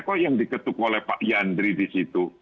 kok yang diketuk oleh pak yandri di situ